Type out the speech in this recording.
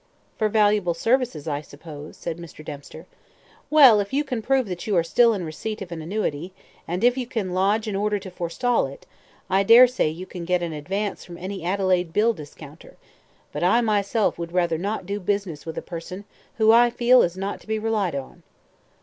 "For valuable services, I suppose," said Mr. Dempster. "Well, if you can prove that you are still in receipt of an annuity, and if you can lodge an order to forestall it, I dare say you can get an advance from any Adelaide bill discounter; but I myself would rather not do business with a person who I feel is not to be relied on."